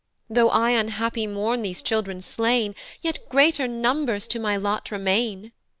"Tho' I unhappy mourn these children slain, "Yet greater numbers to my lot remain."